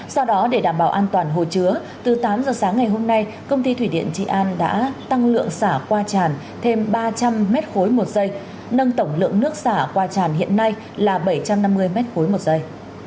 sau đó để đảm bảo an toàn hồ chứa từ tám giờ sáng ngày hôm nay công ty thủy điện trị an đã tăng lượng xả qua tràn thêm ba trăm linh m ba một giây nâng tổng lượng nước xả qua tràn hiện nay là bảy trăm năm mươi m ba một giây